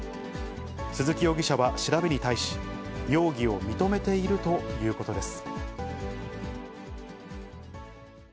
鈴木容疑者は、調べに対し、容疑を認めているということです。